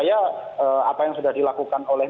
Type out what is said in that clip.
apa yang sudah dilakukan oleh